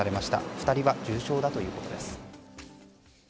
２人は重傷だということです。